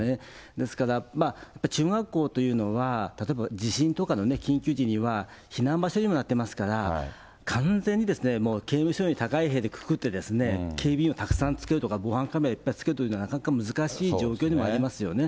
ですから、中学校というのは、例えば、地震とかの緊急時には、避難場所にもなってますから、完全にもう刑務所より高い塀でくくって、警備員をたくさんつけるとか、防犯カメラをいっぱいつけるというのは、なかなか難しい状況でもありますよね。